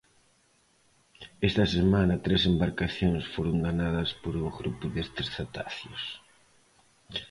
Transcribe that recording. Esta semana tres embarcacións foron danadas por un grupo destes cetáceos.